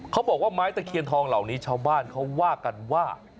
เขาบอกว่าไม้ตะเคียนทองเหล่านี้ชาวบ้านเขาว่ากันว่า